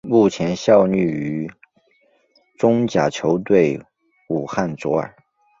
目前效力于中甲球队武汉卓尔。